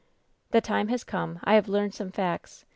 "The time has come. I have learned some facts.